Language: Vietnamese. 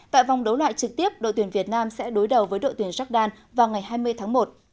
tại vòng đấu loại trực tiếp đội tuyển việt nam sẽ đối đầu với đội tuyển jordan vào ngày hai mươi tháng một